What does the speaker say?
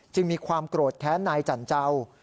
มีความโกรธแค้นนายจันเจ้า